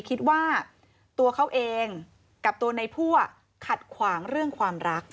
คิดว่าตัวเขาเองกับตัวในพั่วขัดขวางเรื่องความรัก